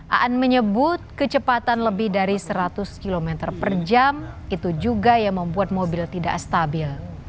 aan menyebut kecepatan lebih dari seratus km per jam itu juga yang membuat mobil tidak stabil